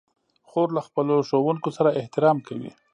خور له خپلو ښوونکو سره احترام کوي.